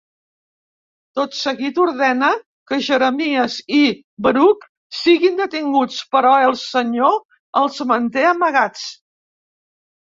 Tot seguit ordena que Jeremies i Baruc siguin detinguts, però el Senyor els manté amagats.